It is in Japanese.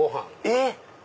えっ！